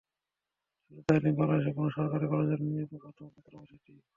শুধু তাই নয়, বাংলাদেশের কোনো সরকারি কলেজের জন্য নির্মিত প্রথম ছাত্রাবাসও এটি।